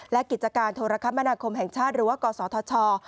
และกิจการโทรคมนาคมแห่งชาติหรือว่ากศธช